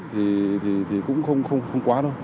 thì cũng không quá đâu